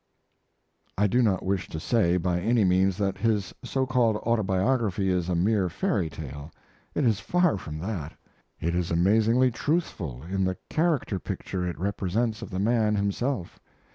I do not wish to say, by any means, that his so called autobiography is a mere fairy tale. It is far from that. It is amazingly truthful in the character picture it represents of the man himself.